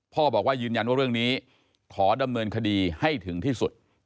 บอกว่ายืนยันว่าเรื่องนี้ขอดำเนินคดีให้ถึงที่สุด